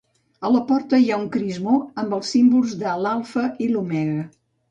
A la porta hi ha un crismó amb els símbols de l'alfa i l'omega.